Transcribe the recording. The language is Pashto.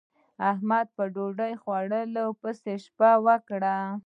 احمد په ډوډۍ پسې شپه وکړه.